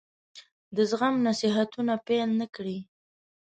د زغم نصيحتونه پیل نه کړي.